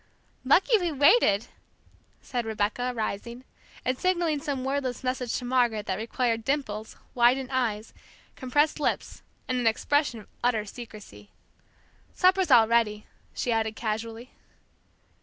"Lucky we waited!" said Rebecca, rising, and signaling some wordless message to Margaret that required dimples, widened eyes, compressed lips, and an expression of utter secrecy. "Supper's all ready," she added casually.